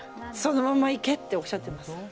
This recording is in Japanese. そのまま行けっておっしゃってます。